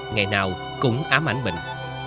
ngày nào cũng ám ảnh bình